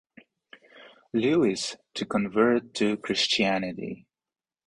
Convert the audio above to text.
Lewis to convert to Christianity.